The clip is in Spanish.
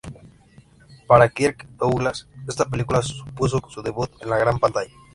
Para Kirk Douglas, esta película supuso su debut en la gran pantalla.